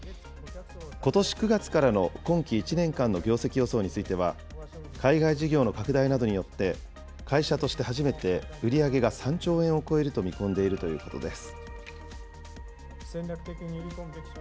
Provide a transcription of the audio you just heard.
ことし９月からの今期１年間の業績予想については、海外事業の拡大などによって、会社として初めて、売り上げが３兆円を超えると見込んでいるということです。